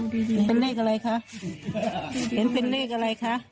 ดูดีดีเป็นเลขอะไรคะ